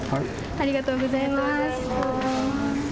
ありがとうございます。